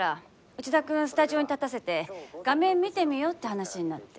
内田君スタジオに立たせて画面見てみようって話になって。